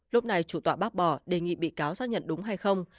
lúc này chủ tọa bác bỏ đề nghị bị cáo xác nhận đúng hay không